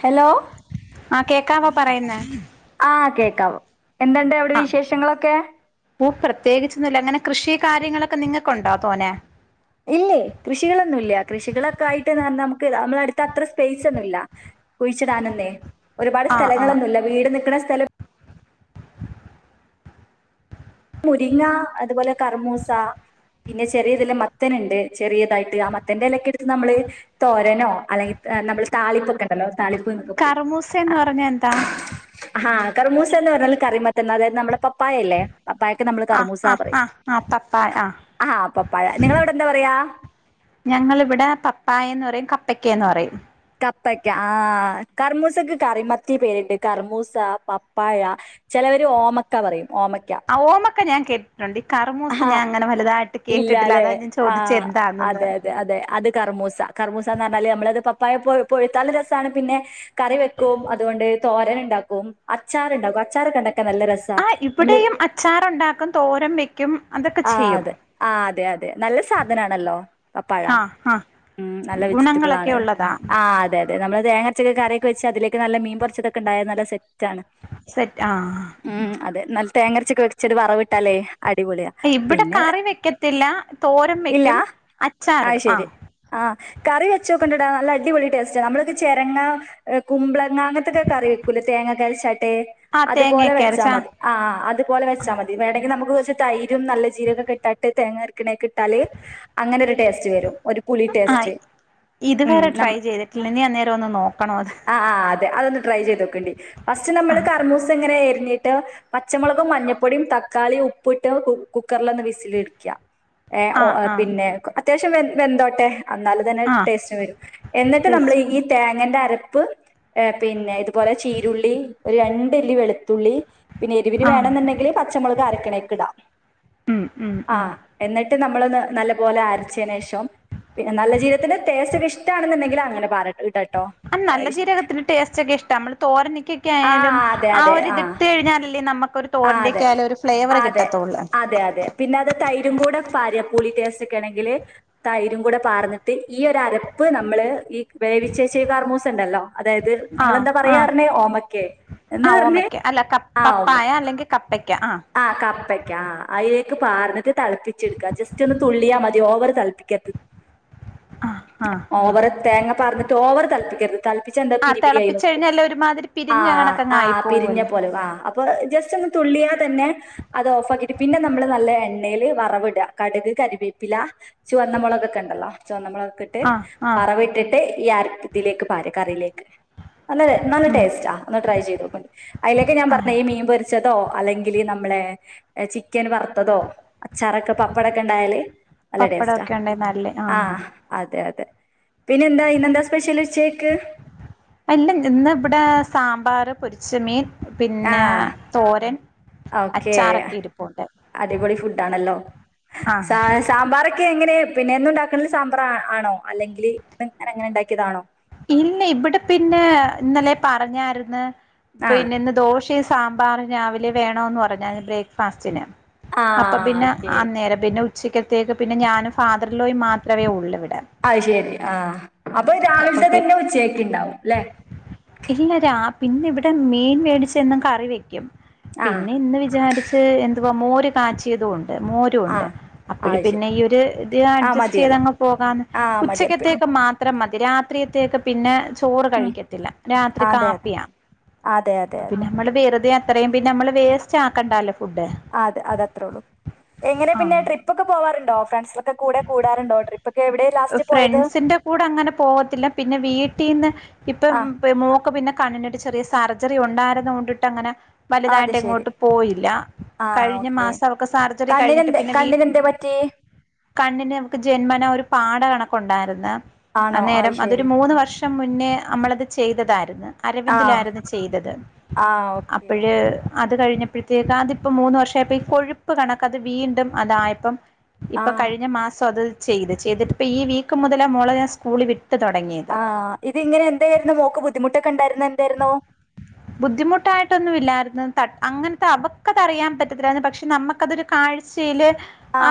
Hello? ആഹ് കേക്കാവോ പറയുന്നേ? ആഹ് കേക്കാവോ എന്തുണ്ട് അവിടെ വിശേഷങ്ങളൊക്കെ? പ്പൊ പ്രത്യേകിച്ചൊന്നുല്ല ങ്ങനെ കൃഷി കാര്യങ്ങളൊക്കെ നിങ്ങൾക്ക് ഒണ്ടോ തോനെ ഇല്ലേ കൃഷികളൊന്നുല്ല്യ. കൃഷികളൊക്കായിട്ട്ന്നർഞ്ഞാ അമ്ക്ക് അമ്മളടുത്ത് അത്ര സ്പേസൊന്നുല്ല. കുഴിച്ചിടാനൊന്നേ ഒരുപാട് ആ ആ സ്ഥലങ്ങളൊന്നുല്ല വീട് നിക്ക്ണ സ്ഥലം മുരിങ്ങ അതുപോലെ കറ്മൂസ പിന്നെ ചെറിയതില് മത്തന്ണ്ട് ചെറിയതായിട്ട് ആ മത്തന്റെലൊക്കെടുത്ത് നമ്മള് തോരനോ അല്ലെങ്കി ഏഹ് നമ്മള് താളിപ്പൊക്കെ [unintelligible] താളിപ്പ് എന്നൊക്കെ പറയും കറുമൂസ എന്ന് പറഞ്ഞ എന്താ ഹാഹ് കറ്മൂസ എന്ന് പറഞ്ഞാല് കറിമത്തൻ അതായത് നമ്മടെ പപ്പായല്ലേ പപ്പായക്ക് നമ്മള് ആ കറമൂസ ആ പറയും. ആ ആ പപ്പായ ആ അഹാ പപ്പാഴ നിങ്ങളവിടെ എന്താ പറയാ ഞങ്ങിവിടെ പപ്പായന്ന് പറയും കപ്പക്കേന്ന് പറയും കപ്പയ്ക്ക ആഹ് കറമൂസക്ക് കറിമത്തി പേര്ണ്ട് കറമൂസ, പപ്പാഴ ചെലവര് ഓമക്ക പറയും ഓമയ്ക്ക ഓമക്ക ഞാൻ കേ ട്ടൊണ്ട് ഈ കറുമൂസ് ആഹ് ഞാൻ അങ്ങനെ വല്തായിട്ട് കേട്ടിട്ടില്ല ഇല്ലാലെ അതാ ഞാൻ ചോദിച്ചേ ആഹ് എന്താന്നെന്ന്. അതെ അതെ അതെ അത് കർമൂസ കർമൂസ എന്നർഞ്ഞാല് നമ്മളത് പപ്പായ പൊഴു പൊഴുത്താല് രസാണ് പിന്നെ കറി വെക്കും അതുകൊണ്ട് തോരന്ണ്ടാക്കും, അച്ചാറ്ണ്ടാക്കും അച്ചാറോക്കെണ്ടാ ആഹ് ഇവിടെയും അച്ചാറുണ്ടാക്കും തോരം വെയ്ക്കും അത് ആ അതെ ആ അതെ അതെ നല്ല സാധനാണല്ലോ പപ്പായ ആ ആ ഉം നല്ല വെജിറ്റബിൾ ഗുണങ്ങളൊക്കെ ആണ് ഉള്ളതാ ആ അതെ അതെ നമ്മള് തേങ്ങരച്ചൊക്കെ കറിയൊക്കെ വെച്ചാ അതിലേക്ക് നല്ല മീൻ പൊരിച്ചതൊക്കെണ്ടായാ നല്ല സെറ്റാണ് സെറ്റ് ആ ആ ഉം അതെ നല്ല തേങ്ങരച്ചക്കെ വെച്ചിട്ട് വറവിട്ടാലേ അടിപൊളിയാ ഇവിടെ പിന്നെ കറി വെക്കത്തില്ല തോരം വെക്കും അച്ചാറിടും ആഹ് ആഹ് കറി വെച്ചോക്കൊണ്ടടാ നല്ല അടിപൊളി ടേസ്റ്റ്ആ നമ്മളൊക്കെ ചെരങ്ങാ കുമ്പ്ളങ്ങ അങ്ങനത്തൊക്കെ കറി വെക്കൂല തേങ്ങക്കെരചാട്ട് ആ അതുപോലെ തേങ്ങയൊക്കെ വെച്ചാ അരച്ച മതി ആ അതുപോലെ വെച്ചാൽ മതി വേണെങ്കിൽ നമുക്ക്റച്ച് തൈ- രും നല്ല ജീരകം ഇട്ടിട്ട് തേങ്ങ അരക്കുണേക്ക ഇട്ടാല് അങ്ങനൊ രു ടേസ്റ്റ് വരും പുളി ആഹ് ടേസ്റ്റ് ഇത് ഉം വരെ നം ട്രൈ ചെയ്തിട്ടില്ല ഇനി അന്നേരം ഒന്ന് നോക്കണോ അത് ആ അതെ അതൊന്ന് ട്രൈ ചെയ്തോക്കണ്ടിം ഫസ്റ്റ് നമ്മള് കറമൂസങ്ങനെ എരിഞ്ഞീട്ട് പച്ചമൊളകും മഞ്ഞപ്പൊടിയും തക്കാളി ഉപ്പിട്ട് കുക്കറിലൊന്ന് വിസിൽ അടിക്ക ഏ ആ ആ പിന്നെ അത്യാവശ്യം വെന്തോട്ടെ എന്നാല് തന്നെ ആ ടേസ്റ്റ് വരൂ എന്നിട്ട് നമ്മള് ടേസ്റ്റ് ഈ തേങ്ങേന്റെ അരപ്പ് ഏ പിന്നെ ഇതുപോലെ ചീരുള്ളി ഒരു രണ്ടല്ലി വെളുത്തുള്ളി പിന്നെ എരുവിന് ആ വേണന്ന്ണ്ടെങ്കില് പച്ചമുളക് അരക്കണേക്ക് ഇടാ ഉം ഉം ആ ഉം എന്നിട്ട് നമ്മളൊന്ന് നല്ല പോലെ അരച്ചേനേഷം നല്ല ജീരകത്തിന്റെ ടേസ്റ്റൊക്കെ ഇഷ്ട്ടാണെന്നുണ്ടെങ്കില് അങ്ങനെ പാരട്ടോ ആ നല്ല ജീരകത്തിന്റെ ടേസ്റ്റ് ഒക്കെ ഇഷ്ട്ടാ നമ്മള് തോരനൊക്കൊക്കെ ആ ആയാലും അതെ ആ അതെ ഒര് ഇത് ഇട്ട് കഴിഞ്ഞാലല്ലേ നമുക്കൊരു ആ തോരന്റെ അതെ ഒക്കെആയാലും ഒരു അതെ ഫ്ലേവർകിട്ടത്തൊള്ള് അതെ അതെ പിന്നെ അത് തൈരും കൂടെ പാര്ആ പുളി ടേസ്റ്റ്ക്കേ ണെങ്കില് തൈരും കൂടെ പാർന്നിട്ട് ഈ ഒരരപ്പ് നമ്മള് ഈ- വേവിച്ചെച്ച ഈ കർമൂസ ഉണ്ടല്ലോ അതായത് ആ നിങ്ങളെന്താ ആ പറയാറുന്നെ ഓമക്കേ ആ എന്താ പറഞ്ഞേ ഓമയ്ക്ക അല്ല ആ ഓമ പ്പപ്പായ അല്ലെങ്കിൽ കപ്പയ്ക്ക ആഹ് ആ കപ്പയ്ക്ക ആ അയിലേക്ക് പാർന്നിട്ട് തെളപ്പി- ജസ്റ്റ്‌ ഒന്ന് തുള്ളിയാൽ മതി ഓവറ് തെളപ്പിക്കരുത് ആ ആ [unintelligible] ആ ഓവറ് തേങ്ങ പാർന്നിട്ട് ഓവർ തെള പ്പിക്കരുത് തൾപ്പിച്ച എന്താ ആ പിരി പിരിയായി തിളപ്പിച്ച് നിക്കും കഴിഞ്ഞാല് ഒരുമാതിരി പിരിഞ്ഞ ആഹ് കണക്കങ്ങ് ആയി ആഹ് പിരിഞ്ഞ പോവല്ലേ പോലെ ആഹ് ജസ്റ്റ് ഒന്ന് തുള്ളിയാൽ തന്നെ അത് ഓഫ് ആക്കീട്ട് പിന്നെ നമ്മള് നല്ല എണ്ണേല് വറവ് ഇടുവാ കടുക് കരിവേപ്പില ചുവന്നമുളകൊക്കെണ്ടല്ലോ ചോന്ന മൊളകൊക്കെ ഇ ട്ട് ആഹ് ആഹ് പറവിട്ടിട്ട് ഈഅരപ്പ് ഇതിലേക്ക് പാര്അ കറിയിലേക്ക് നല്ല നല്ല ഉം ടേസ്റ്റ ഒന്ന് ട്രൈ ചെയ്തോകൊണ്ടു അയിലേക്ക ഞാൻ ആഹ് പറഞ്ഞത് ഈ മീൻ പൊരി- ച്ചതോ അല്ലെങ്കില് നമ്മളെ ചിക്കൻ വറുത്തതോ അച്ചാറൊക്കെ പപ്പടൊക്കെ ഉണ്ടായാല് നല്ല ടേസ്റ്റാ പപ്പടൊക്കെ ഉണ്ടേ നല്ലേ ആഹ് അതെ അതെ പിന്നെ എന്താ ഇന്നെന്താ സ്പെഷ്യൽ ച്ചേക്ക് അല്ല ഇന്ന് ഇവിടെ സാമ്പാർ പൊരിച്ചമീൻ ആ പിന്നെ തോരൻ ഓക്കേ അച്ചാറൊക്കെ ഇരിപ്പുണ്ട് അടിപൊളി ഫുഡാണല്ലോ സ ആഹ് സാമ്പാറൊക്കെ എങ്ങനെ പിന്നെ യെന്നും ഉണ്ടാക്കുന്ന സാമ്പാറാണോ അല്ലെങ്കിൽങ്ങനെ അങ്ങനെ ഉണ്ടാക്കിയതാണോ ഇല്ല ഇവിടെ പിന്നെ ഇന്നലേ പറഞ്ഞാര്ന്ന് ആ പിന്നെ ഇന്ന് ദോശേം സാമ്പാറും രാവിലെ വേണോന്ന് പറഞ്ഞാരുന്ന് ബ്രേക്ക്ഫാസ്റ്റിന് ആ അപ്പ പിന്നെ ഓക്കെ അന്നേരം പിന്നെ ഉച്ചക്കത്തേക്ക് പിന്നെ ഞാനും ഫാദർലോയും മാത്രമേ ഉള്ളുവിടെ അത് ശെരി ആ അപ്പൊ രാവിലത്തെ പി തന്നെ ഉച്ചേക്ക് ഉണ്ടാവും അല്ലെ ഇല്ല രാ പിന്നെ ഇവിടെ മീൻ മേടിച്ചെന്നുംും കറി വെക്കും ആ പിന്നെ ഇന്ന് വിചാരിച്ച് എദുവാ മോര് കാിയതണ്ട് മോര് പ്പു ആ ണ്ട് അപ്പോഴ അത് പിന്നെ ശരി ഈ ഒരു ഇത് ആ അഡ്ജസ്റ്റ് മതിയല്ലോ ചെയ്തങ്ങ് പോകാന്ന് ആ മതിയല്ലോ പിന്നെ ഉച്ചക്കത്തക്ക മാത്ര അത്ര മധരാത്രിയത്തേക്ക പിന്നെ ചോറ് ഉം കഴിക്കത്തില്ല രാത്രി അതെ അതെ കാപ്പിയ അതെ അതെ പിന്നെ നമ്മള് വെറുതെ അത്രയും പിന്നെ നമ്മള് വേസ്റ്റ് ആക്കണ്ടല്ലോ അതെ അത അത്രേ ഉള്ളു എങ്ങനെ പിന്നെ ആഹ് ട്രിപ്പ് പ്പൊക്കെ പോവാറുോ ഫ്രണ്ട്സ ഒക്കെ കൂ കൂടാുണ്ടോട്രിപ്പ്ക്കെ എവിടെ ലാസ്റ്റ് പോയത് ഫ്രണ്ട്സിന്റെ കൂടെ അങ്ങനെ പോകത്തില്ല പിന്നെ വീട്ടിൽന്ന് ആ ഇപ്പം മൂൾക്ക് പിന്നെ കണ്ണിട്ട് ചെറിയ സർജറി ഉണ്ടായിരുന്നുക കൊണ്ടിട്ട് അങ്ങനെ അത് വലുതായിട്ട് ശരി എങ്ങോട്ട് പോയില്ല ആ കഴിഞ്ഞ ഓക്കെ മാസം അവക്കെ സർജറി കഴിഞ്ഞിട്ട് കണ്ണിനെന്തേ പിന്നെ വീ കണ്ണിനെന്തേ പറ്റി കണ്ണിന് നമുക്ക് ജന്മന ഒരു പാട കണക്ക ഉണ്ടായിരുന്ന ആണോ ആഹ് അന്നേരം ശരി അതൊരു മൂന്ന് വർഷം പക്ഷം മുന്നേ നമ്മളത് ചെയ്തതായിരുന്നു. ആഹ് അരവിന്ദിലായിരുന്നു ചെയ്തത് ആഹ് ഓക്കെ അപ്പോഴ് അത് കഴിഞ്ഞപ്പോഴത്തേക്ക് അതിപ്പോ മൂന്ന് വർഷമായപ്പോ ഈ കൊഴുപ്പ് കണക്ക അത് വീണ്ടും അതായപ്പം ഇപ്പൊ ആഹ് കഴിഞ്ഞ മാസം അത് ചെയ്ത് ചെയ്തിട്ട ഇപ്പൊ ഈ വീക്ക് മുതലാ മോളെ ഞാൻ സ്കൂള വിട്ട് തുടങ്ങിയത് ആഹ് ഇത് ഇങ്ങനെ എന്തായിരുന്നുോ മോക്ക് ബുദ്ധിമുട്ടൊക്കെ ഉണ്ടായിരുന്ന എന്തായിരുന്നു ബുദ്ധിമുട്ടായിട്ടൊന്നും ഇല്ലായിരുന്നു അങ്ങനത്തെ അവക്കത് അറിയാൻ പറ്റത്തില്ലരുന്നു പക്ഷെ നമുക്കതൊരു കാഴ്ച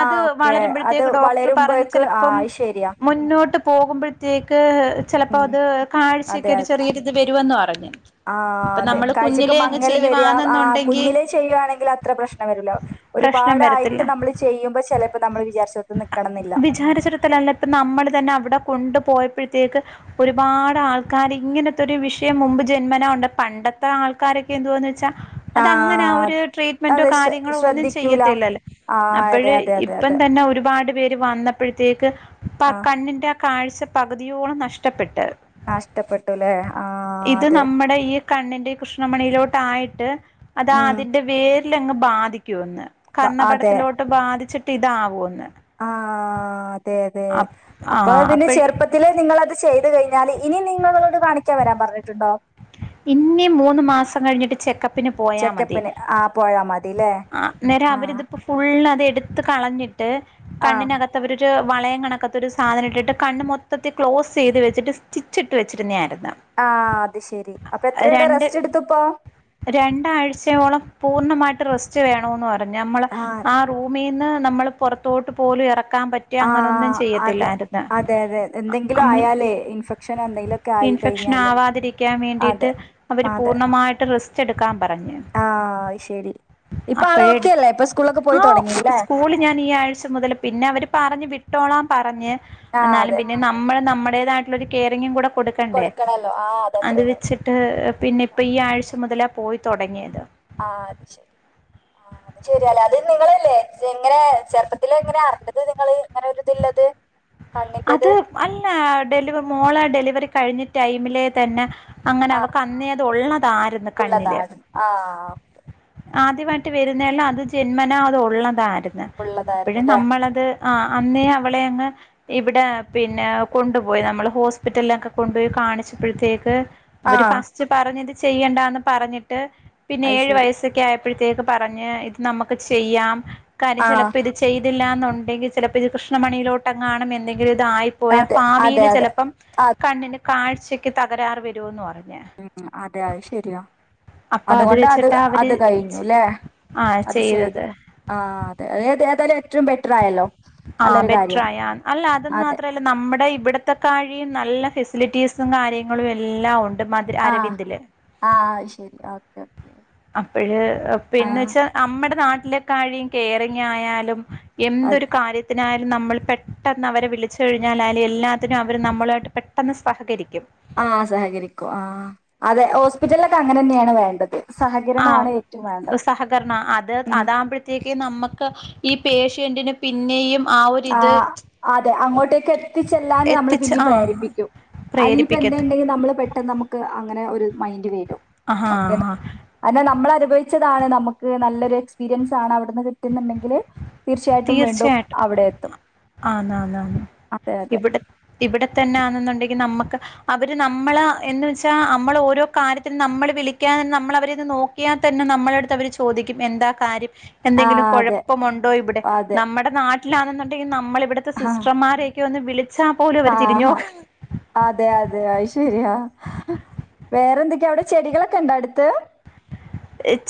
അത് ഓക്കെ അത് വളരുമ്പഴത്തേക്ക് ഡോക്ടർ പറഞ്ഞ വളരുമ്പോഴേക്ക് ആഹ് ചിലപ്പം അത് ശരിയാ മുന്നോട്ട് പോകുമ്പോഴത്തേക്ക് ചിലപ്പോ ഉം അത് കാഴ്ചൊക്കെ ഒരു ചെറിയരിത് വരുമന്ന് പറഞ്ഞു. ആ അതെ കാഴ്ചക്ക് മങ്ങല് വരിക ആ ചെയ്യുവാന്നുണ്ടെങ്കി കുഞ്ഞിലേ ചെയ്യുകയാണെങ്കിൽ അത്ര പ്രശ്നം വരുല്ലോ പ്രശ്നം ഒരുപാടായിട്ട് വരത്തില്ല നമ്മള് ചെയ്യുമ്പോ ചിലപ്പോ നമ്മൾ വിചാരിച്ച നൽക്കണം എന്നില്ല വിചാരിച്ചിടത്തൽ അന്നത്ത് അപ്പം നമ്മൾ തന്നെ അവിടെ കൊണ്ടു പോയപ്പോഴത്തേക്ക് ഒരുപാട് ആൾക്കാാര് ഇങ്ങനത്തെൊ ഒരു വിഷയം മുുമ്പ് ജന്മന ഉണ്ട പണ്ടത്തെ ആൾക്കാരൊക്കെ എന്തുവാന്ന് വെച്ചാൽ അത അങ്ങനെ ആ ആഹ് ഒരു ട്രീറ്റ്മെന്റോ അതെ ശ്ര കാര്യങ്ങളോ ഒന്നും ശ്രദ്ധിക്കൂല ചെയ്യത്തില്ലല്ലോ ആഹ് അപ്പോഴ അതെ അതെ അതെ ഇപ്പം അതെ തന്നെ ഒരുപാട് പേര് വന്ന അപ്പോഴത്തേക്ക് പ ആഹ് കണ്ണിന്റെ ആ കാഴ്ച പകുതിയോളം നഷ്ടപ്പെട്ട് നഷ്ടപ്പെട്ടുല്ലേ ആ ഇത് അതെ നമ്മുടെ ഈ കണ്ണിന്റെ കൃഷ്ണമണിയിലോട്ട ആയിട്ട് അതാ ഉം അതിന്റെ വേരിലങ്ങ് ബാധിക്കുവ എന്ന് ബ- അതെ കന്നപടത്തിലോട്ട് ബാധിച്ചിട്ട് ഇതാവുമ എന്ന് ആ അതെ അതെ ആ അപ്പൊ അതിന് അപ്പഴ് ചെറുപ്പ ഇതില് നിങ്ങളത് ചെയ്തു കഴിഞ്ഞാല് ഇനി നിങ്ങളോട് കാണിക്കാൻ വരാൻ പറഞ്ഞിട്ടുണ്ടോ? ഇനി മൂന്ന് മാസം കഴിഞ്ഞിട്ട് ചെക്കപ്പ് പിന് പോയാ മതി ചെക്കപ്പിന് ആ പോയാ മതില്ലേ ആ നേരം ആഹ് അവരിതിപ്പോ ഫുള് അത് എടുത്ത് കളഞ്ഞിട്ട് ആഹ് കണ്ണിനകത്ത് മവ അവരൊരു വളയം കണക്കത്തൊരു സാധനം ഇട്ടിട്ട് കണ് മൊത്തത്തിൽ ക്ലോസ് ചെയ്ത് വെച്ചിട്ട് സ്റ്റിച്ചിട്ട് വെച്ചിരുന്നതായിരുന്നു. ആ അത് ശെരി അപ്പൊ എത്ര ഇയുടെ രണ്ട് റെസ്റ്റ് എടുത്തപ്പോ രണ്ടാഴ്ചയോളം പൂർണ്ണമായിട്ട് റെസ്റ്റ് വേണന്ന് പറഞ്ഞഞ് നമ്മൾ ആഹ് ആ റൂമിൽ നിന്ന് നമ്മൾ പുറത്തോട്ട് പോലും ഇറക്കാൻ പറ്റ ആ അതെ അതെ അതെ എന്തെങ്കിലും നമ്മൾ ആയാലേ ഇൻഫെക്ഷന എന്തെങ്കിലും ഇൻഫെക്ഷൻ ആവാതിരിക്കാൻ വേണ്ടിയിട്ട് അവര് അതെ പൂർണ്ണമായിട്ട് റെസ്റ്റ് എടുക്കാൻ പറഞ്ഞു. ആഹ് അഹ്ശരി. ഇപ്പൊ ആള് ഓക്കെ അല്ലേ. ഇപ്പ സ്കൂളൊക്ക പോയി തൊടങ്ങി ല്ലേ. സ്കൂളി ഞാൻ ഈ ആഴ്ച മുതൽ പിന്നെ അവര് പറഞ്ഞ് വിട്ടോളാം പറഞ്ഞ് ആഹ് എന്നാലും അതെ പിന്നെ നമ്മൾ നമ്മുടേതായിട്ടുള്ളൊരു കെയറിങ്ങും കൂടെ കൊടു കൊടുക്കണല്ലോ ആഹ് അത് അതത്രേന്നെ ഉള്ളൂ വെച്ചിട്ട് പിന്നെ ഇപ്പ ഈ ആഴ്ച മുതലാ പോയി തൊടങ്ങിയത്. ആഹ് അത് ശരി. ശരിയാലേ. അത് നിങ്ങളല്ലേ എങ്ങനെ ചെറുപ്പത്തില് എങ്ങനെ അറിഞ്ഞത് നിങ്ങള് ഇങ്ങനെ ഒരിതിള്ളത്? അത് അല്ല ഡെലിവ മോളെ ഡെലിവറി കഴിഞ്ഞ ടൈമിലെ തന്നെ അങ്ങനെ അവക്ക് അന്നേ അത് ഉള്ളതാര്ന്ന്. ഉള്ളതാ അത് ആഹ് ഓക്കെ ആദ്യമായിട്ട് വരുന്നെയല്ലാ അത് ജന്മനാ അത് ഉള്ളതാര്ന്ന്. ഉള്ളതായിരുന്നു അപ്പഴും അല്ലേ നമ്മളത് ആഹ് അന്നേ അവളെയങ്ങ് ഇവടെ പിന്നെ കൊണ്ടുപോയി. നമ്മൾ ഹോസ്പിറ്റൽലൊക്കെ കൊണ്ടുപോയി കാണിച്ചപ്പഴ്ത്തേക്ക് ആ അവര് ഫസ്റ്റ് പറഞ്ഞത് ചെയ്യണ്ടാന്ന് പറഞ്ഞിട്ട് പിന്നെ അത് ഏഴ് ശരി വയസ് സൊക്കെ ആയപ്പഴ്ത്തേക്ക് പറഞ്ഞ് ഇത് നമുക്ക് ചെയ്യാം. കാര്യം ആ ചിലപ്പ ഇത് ചെയ്തില്ലാന്നുണ്ടെങ്കി ചിലപ്പ ഇത് കൃഷ്ണമണിയിലോട്ടെങ്ങാണും എന്തെങ്കിലും ഇത് ആയി പ്പോയാ അതെ അതെ ഭാവിയില് അതെ ചിലപ്പം ആ കണ്ണിന് കാഴ്ചക്ക് തകരാറ് വരൂന്ന് പറഞ്ഞ്. ഉം അതെ. അഹ് ശരിയാ. അപ്പൊ അതുകൊണ്ടാ അത് വെച്ചിട്ടാ അത് അവര് കഴിഞ്ഞു ലെ ആ അത് ചെയ്തു. ചെയ്തത് ആഹ് അതെ. അതേ ഏത്യാലും ഏറ്റവും ബെറ്ററായല്ലോ ആഹ് നല്ലൊരു കാര്യം ബെറ്ററായി ആഹ് അല്ല അത് അതെ. മാത്രല്ല നമ്മുടെ ഇവിടത്തെ കാഴിയും നല്ല ഫെസിലിറ്റീസും കാര്യങ്ങളും എല്ലാം ഉണ്ട്. മ അരവിന്ദില് ആഹ് അഹ്ശെരി ഓക്കെ ഓക്കെ അപ്പഴ് ആ പിന്നെ ച്ചാ നമ്മടെ നാട്ടിലെക്കാഴിഴും കേയറിങ്ങായാലും അത് എന്തൊരു കാര്യ ത്തിനായാലും നമ്മൾ പെട്ടെന്ന് അവരെ വിളിച്ചു കഴിഞ്ഞാലായാലും എല്ലാത്തിനും അവര് നമ്മളായിട്ട് പെട്ടെന്ന് സഹകരിക്കും. ആഹ് സഹകരിക്കും ആഹ് അതെ ഹോസ്പിറ്റൽലൊക്കെ അങ്ങനെന്ന്യാണ് വേണ്ടത്. സഹകരണമാണ് ഏറ്റവും ആഹ് വേണ്ടത് സഹകരണാ അത് ഉം അതാകുമ്പഴ് ത്തേക്ക് നമ്മക്ക് ഈ പേഷ്യന്റിന് പിന്നെയും ആ ഒരിത് ആഹ് അതെ അങ്ങോട്ടേക്ക് എത്തിച്ചെല്ലാനും നമ്മള് എത്തിച്ച് പിന്നിം ആഹ് പ്രേരിപ്പിക്കും. അയ്യിപ്പെന്ത് പ്രേരിപ്പിക്കത്തു ണ്ടെങ്കി നമ്മള് പെട്ടെന്ന് നമ്മക്ക് അങ്ങനെ ഒരു മൈൻ്റ് വെരും. ആഹാ ഹാ അതെ നമ്മൾ അനുഭവിച്ചതാണ് നമുക്ക് നല്ലൊരു എക്സ്പീരിയൻസ് ആണ് അവിടുന്ന് കിട്ടുന്നുണ്ടെങ്കില് തീർച്ചയായിട്ടും വീണ്ടും അവിടെ എത്തും ആന്നാന്നാന്ന് അതെ ഇവടെ ഇവടെ തന്നാണെന്നുണ്ടെങ്കി നമ്മുക്ക് അവര് നമ്മള് എന്ന് വെച്ചാ നമ്മൾ ഓരോ കാര്യത്തിനും നമ്മള് വിളിക്കാനും നമ്മളവരെ ഒന്ന് നോ ക്കിയാ തന്നെ നമ്മളെടുത്ത് അവര് ചോദിക്കും എന്താ കാര്യം. എന്തെങ്കിലും അതെ ആഹ് അതെ കുഴപ്പമുണ്ടോ ഇവിടെ. അതെ നമ്മുടെ നാട്ടിലാണെന്നുണ്ടെങ്കി നമ്മളിവിടുത്തെ ആഹ് സിസ്റ്റർമാരെ ഒക്കെ ഒന്ന് വിളിച്ചാ പോലും അവര് തിരിഞ്ഞ ആഹ് നോക്ക അതെ അതെ അഹ് ശെരിയാ. വേറെ എന്തൊക്കെയാ അവിടെ ചെടികളൊക്കെ ഉണ്ടോ അടുത്ത്?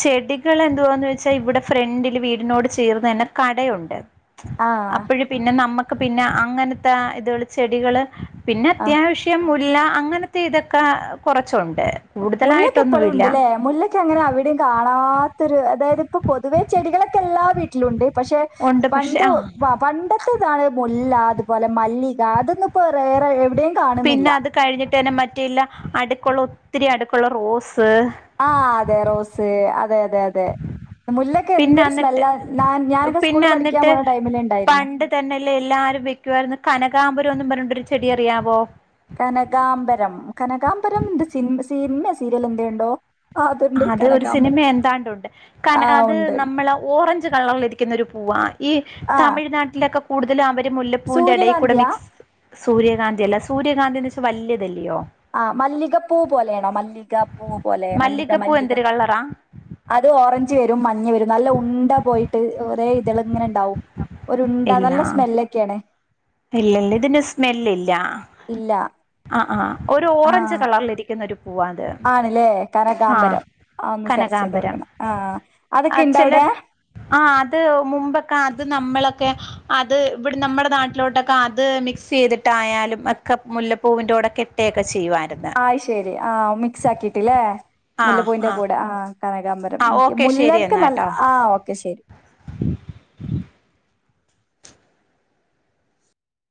ചെടികൾ എന്തുവാന്ന് വെച്ചാ ഇവടെ ഫ്രണ്ടില് വീടിനോട് ചേർന്ന് തന്നെ കടയുണ്ട്. ആഹ് അപ്പഴ് പിന്നെ നമ്മക്ക് പിന്നെ അങ്ങനത്തെ ഇത് ചെടികള് പിന്നെ ആ അത്യാവശ്യ മുല്ല അങ്ങനത്തെ ഇതൊക്കെ കൊറച്ചുണ്ട്. മുല്ലക്കെ ഇപ്പളു കൂടുതലായിട്ടൊന്നുമില്ല ഇണ്ട്ല്ലേ മുല്ല ക്ക്‌ അങ്ങനെ അവിടിം കാണാത്തൊരു അതായത് ഇപ്പൊ പൊതുവെ ചെടികളൊക്കെ എല്ലാ വീട്ടിലുണ്ട്. പക്ഷെ ഉണ്ട് പക്ഷെ പണ്ട് ആ ബാ പണ്ടത്തെ ഇതാണ് മുല്ല അതുപോലെ മല്ലിക അതൊന്നുപ്പോ വേറെ എവിടേം പിന്നെ അത് കഴിഞ്ഞിട്ടെന്നെ മറ്റേല്ല അടുക്കുള്ള ഒത്തിരി അടുക്കുള്ള റോസ്. ആ അതെ റോസ് അതെ അതെ അതെ മുല്ലൊക്കെ പിന്നെ എന്തൊരു അന്നിട്ട് സ്മെല്ലാ ന ഞാനൊക്കെ പിന്നെ സ്കൂളില് പഠിക്കാൻ അന്നിട്ട് പോണ ടൈമില് ഇണ്ടായിരുന്നു. പണ്ട് തന്നെല്ലേ എല്ലാരും വെക്കുവായിരുന്നു കനകാമ്പുരംന്ന് പറഞ്ഞൊട്ട് ഒരു ചെടി അറിയാവോ. കനകാംബരം കനകാംബരം ന്ത് സിൻ സിനിമ സീരിയൽ എന്തേ ഇണ്ടോ. അത് ഒരു സിനിമ എന്താണ്ട് ഉണ്ട് കന ആ അത് ഉണ്ട് നമ്മള ഓറഞ്ച് കളറിലിരിക്കുന്നൊരു പൂവാണ്. ഈ ആ തമിഴ്നാട്ടിലൊക്കെ കൂടുതലു അവര് മുല്ലപ്പൂവിൻ്റെ എടേയ്കൂടെ സൂര്യകാന്തിയാ മിക്സ് സൂര്യകാന്തി അല്ല സൂര്യകാന്തി എന്നെച്ചാ വല്യതല്ലിയോ ആ മല്ലികപ്പൂ പോലെയണോ മല്ലികപ്പൂ പോലെ മല്ലിക മല്ലികപ്പൂ മല്ലിക എന്തൊരു കളറാ അത് ഓറഞ്ച് വരും മഞ്ഞ വരും നല്ല ഉണ്ട പോയിട്ട് ഒരേ ഇതള് ഇങ്ങനെ ഇണ്ടാവും. ഒരുണ്ടാ നല്ല സ്മെല്ലൊക്കേന് ഇല്ല ഇല്ല ഇതിന് സ്മെലില്ല ഇല്ല ആ ആ ഒരു ഓറഞ്ച് കളറിലിരിക്കുന്ന ഒരു പൂവ ആണ്ല്ലേ കനകാംബരം. ആ ഒന്ന് കനകാംബരം സെർച്ചെയ്തോക്കണം ആ ആ അതൊക്കെ ഇണ്ട ചില അവിടെ ആ അത് മുമ്പൊക്കെ അത് നമ്മളൊക്കെ അത് ഇവിടെ നമ്മടെ നാട്ടിലോട്ടൊക്കെ അത് മിക്സ് ചെയ്തിട്ടായാലും ഒക്കെ മുല്ല പൂവിന്റെ കൂടെ കെട്ടയൊക്കെ ചെയ്യുവാൻ ആ ശെരി ആ മിക്സ് ആക്കിയിട്ടില്ലേ മുല്ലപ്പൂവിന്റെ കൂടെ ആ കനകാൻ പ ആ ഇൻക്ക് ഓക്കെ ശരി മുല്ലക്ക് എന്നാ നല്ല കേട്ടോ ആ ഓക്കെ ശരി